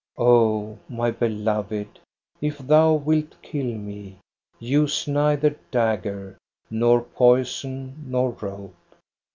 " O my beloved, if thou wilt kill me. Use neither dagger nor poison nor rope